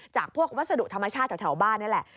จากพวกวัสดุธรรมชาติแถวบ้านนี่แหละ